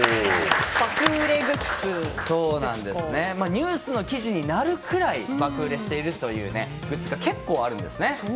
ニュースの記事になるくらい爆売れしているグッズが結構あるんですね。